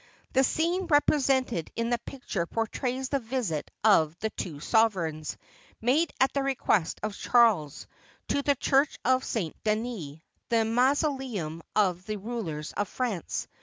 The scene represented in the picture portrays the visit of the two sovereigns, made at the request of Charles, to the Church of St. Denis, the mauosleum of the rulers of France.